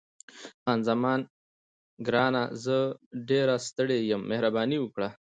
خان زمان: ګرانه، زه ډېره ستړې یم، مهرباني وکړه.